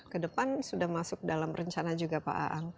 kedepan sudah masuk dalam rencana juga pak aang